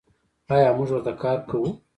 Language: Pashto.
آیا موږ ورته کار کوو؟